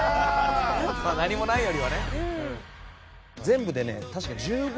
「まあ何もないよりはね」